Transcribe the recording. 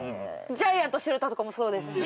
ジャイアント白田とかもそうですし。